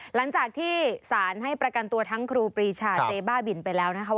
หลังจากที่สารให้ประกันตัวทั้งครูปรีชาเจ๊บ้าบินไปแล้วนะคะ